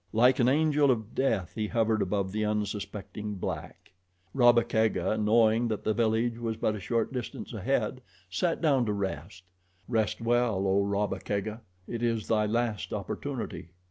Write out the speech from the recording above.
Like an angel of death he hovered above the unsuspecting black. Rabba Kega, knowing that the village was but a short distance ahead, sat down to rest. Rest well, O Rabba Kega! It is thy last opportunity.